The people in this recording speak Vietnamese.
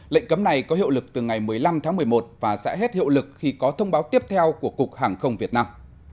lệnh cấm này có hiệu lực từ ngày một mươi năm tháng một mươi một và sẽ hết hiệu lực khi có thông báo tiếp theo của cục hàng không việt nam